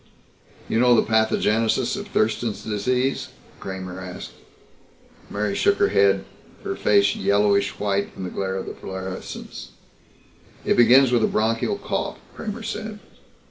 "You know the pathogenesis of Thurston's Disease?" Kramer asked. Mary shook her head, her face yellowish white in the glare of the fluorescents. "It begins with a bronchial cough," Kramer said.